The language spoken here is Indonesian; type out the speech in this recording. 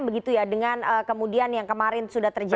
begitu ya dengan kemudian yang kemarin sudah terjadi